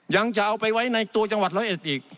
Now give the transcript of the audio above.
ยังจะเอาไปไว้ในตัวจังหวัดร้อยเอ็ดอีก